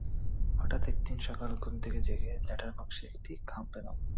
হঠাৎ একদিন সকালে ঘুম থেকে জেগে লেটার বক্সে একটি খাম পেলাম।